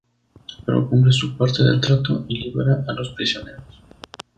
Pero cumple su parte del trato y libera a los prisioneros.